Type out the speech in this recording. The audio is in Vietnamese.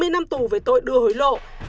hai mươi năm tù về tội đưa hối lộ